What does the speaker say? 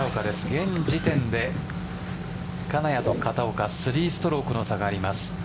現時点で金谷と片岡３ストロークの差があります。